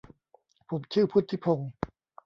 ผมชื่อพุฒิพงศ์